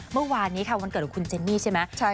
เมื่อวานนี้ค่ะวันเกิดของคุณเจนนี่ใช่ไหม